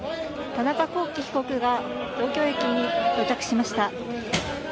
田中聖被告が東京駅に到着しました。